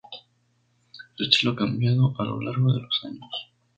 Su estilo ha cambiado a lo largo de los años.